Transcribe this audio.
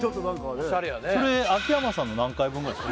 オシャレやねそれ秋山さんの何回分ぐらいですか？